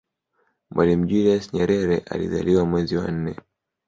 mwalimu julius nyerere alizaliwa mwezi wa nne